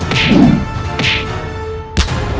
aku akan menang